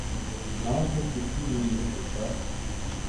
نہ تو کسی نے یہ سوچا